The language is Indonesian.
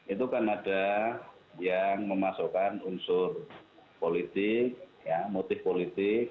itu kan ada yang memasukkan unsur politik motif politik